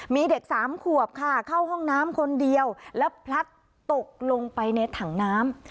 มีเด็กสามขวบค่ะเข้าห้องน้ำคนเดียวแล้วพลัดตกลงไปในถังน้ำ